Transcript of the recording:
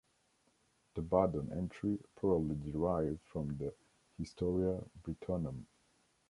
The Badon entry probably derived from the "Historia Brittonum".